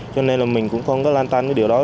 cho nên là mình cũng không có lan tăn điều đó